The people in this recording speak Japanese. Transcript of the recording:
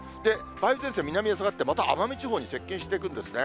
梅雨前線、南へ下がってまた奄美地方に接近していくんですね。